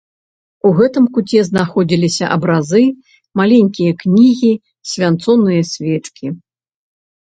У гэтым куце знаходзіліся абразы, малельныя кнігі, свянцоныя свечкі.